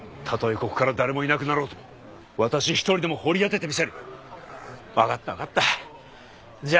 ここから誰もいなくなろうと私一人でも掘り当ててみせる分かった分かったじゃ